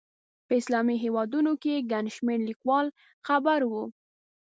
په اسلامي هېوادونو کې ګڼ شمېر لیکوال خبر وو.